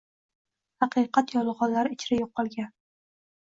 Haqiqat yolgʻonlar ichra yoʻqolgan